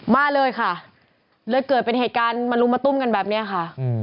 มาเลยค่ะเลยเกิดเป็นเหตุการณ์มาลุมมาตุ้มกันแบบนี้ค่ะ